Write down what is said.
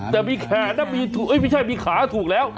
แต่มีแขนน่ะมีถูกเอ้ยไม่ใช่มีขาถูกแล้ว